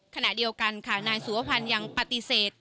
ขณะเดียวกันค่ะนายสุวพันธ์ยังปฏิเสธ